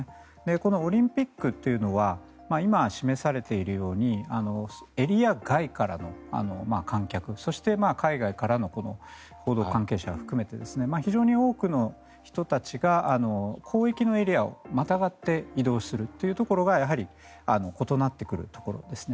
このオリンピックというのは今、示されているようにエリア外からの観客そして海外からの報道関係者を含めて非常に多くの人たちが広域のエリアをまたがって移動するというところが異なってくるところですね。